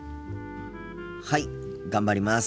はい頑張ります！